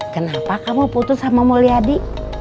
kenapa kamu putus sama mulyadi